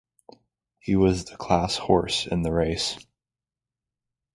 He was the class horse in the race.